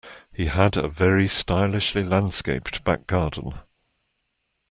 He had a very stylishly landscaped back garden